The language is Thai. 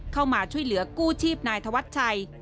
เข้ามาช่วยเหลือกู้ชีพนายธวัชชัย